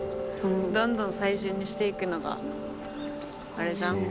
どんどん最新にしていくのがあれじゃん。